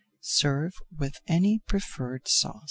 Serve with any preferred sauce.